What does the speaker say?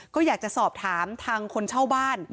ก็อยากจะสอบถามทางคนเช่าบ้าน